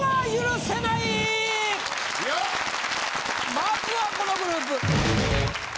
まずはこのグループ！